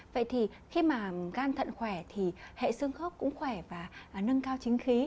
vậy thì khi mà gan thận khỏe thì hệ xương khớp cũng khỏe và nâng cao chính khí